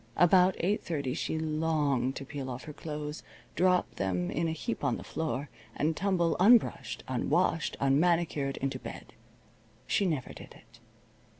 About eight thirty she longed to peel off her clothes, drop them in a heap on the floor, and tumble, unbrushed, unwashed, unmanicured, into bed. She never did it.